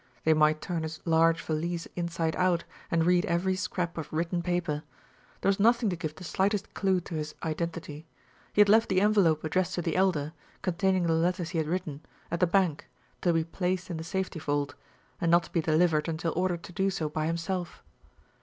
They might turn his large valise inside out and read every scrap of written paper. There was nothing to give the slightest clew to his identity. He had left the envelope addressed to the Elder, containing the letters he had written, at the bank, to be placed in the safety vault, and not to be delivered until ordered to do so by himself.